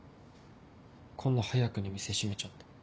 こんな早くに店閉めちゃって。